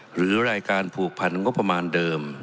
หรือรายการผูกพันงบประมาณเดิม